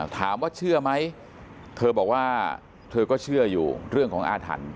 ถามว่าเชื่อไหมเธอบอกว่าเธอก็เชื่ออยู่เรื่องของอาถรรพ์